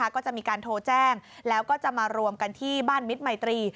ก็จะมีการโทรแจ้งแล้วก็จะมารวมกันที่บ้านมิตรมัยตรี